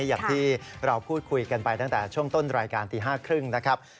อย่างที่เราพูดคุยกันไปตั้งแต่ช่วงต้นรายการตี๕๓๐นะครับ